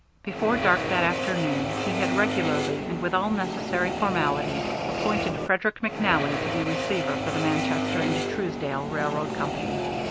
Before dark that afternoon he had regularly and with all necessary formality appointed Frederick McNally to be receiver for the Manchester & Truesdale Railroad Company.